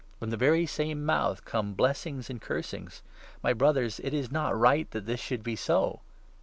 From the very same mouth come blessings and curses ! My 10 Brothers, it is not right that this should be so.